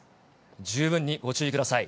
十分にご注意ください。